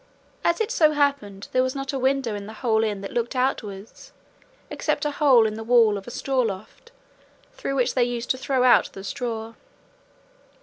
As it so happened there was not a window in the whole inn that looked outwards except a hole in the wall of a straw loft through which they used to throw out the straw.